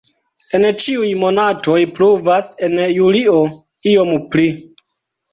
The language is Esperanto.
En ĉiuj monatoj pluvas, en julio iom pli.